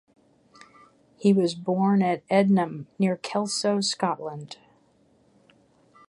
He was born at Ednam, near Kelso, Scotland.